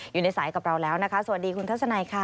อยู่ในสายกับเราแล้วนะคะสวัสดีคุณทัศนัยค่ะ